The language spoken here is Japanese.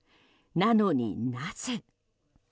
なのに、なぜ。